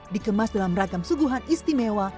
dikemas dalam ragam suguhan istimewa